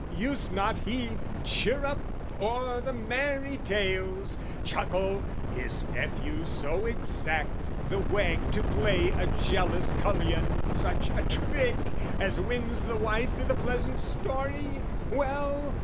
Used not he chirrup o'er the Merry Tales, Chuckle, his nephew so exact the wag To play a jealous cullion such a trick As wins the wife i' the pleasant story! Well?